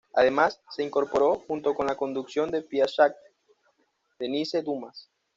Además, se incorporó junto con la conducción de Pía Shaw, Denise Dumas.